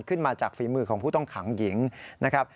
ขึ้นมาจากฝีมือของผู้ต้องขังหญิงนะครับ